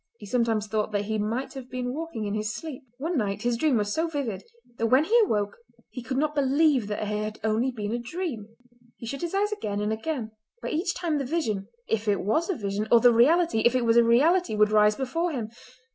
He sometimes thought that he might have been walking in his sleep. One night his dream was so vivid that when he awoke he could not believe that it had only been a dream. He shut his eyes again and again, but each time the vision, if it was a vision, or the reality, if it was a reality, would rise before him.